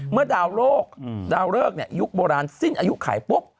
เมื่อดาวโลกดาวเริกยุคโบราณสิ้นอายุไขปุ๊บ